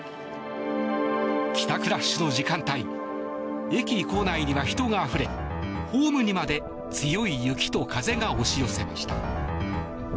帰宅ラッシュの時間帯駅構内には人があふれホームにまで強い雪と風が押し寄せました。